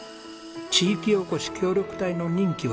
地域おこし協力隊の任期は３年です。